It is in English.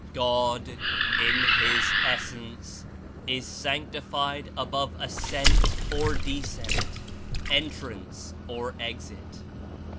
"God, in His Essence, Is sanctified above ascent or descent, entrance or exit.